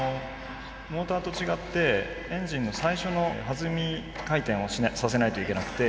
モーターと違ってエンジンの最初の弾み回転をさせないといけなくて。